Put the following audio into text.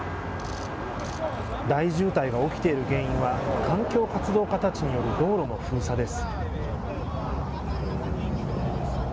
大渋滞が起きている原因は、環境活動家たちによる道路の封鎖です。